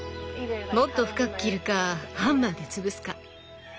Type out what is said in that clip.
もっと深く切るかハンマーで潰すか。